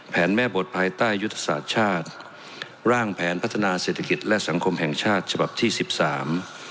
แม่บทภายใต้ยุทธศาสตร์ชาติร่างแผนพัฒนาเศรษฐกิจและสังคมแห่งชาติฉบับที่สิบสาม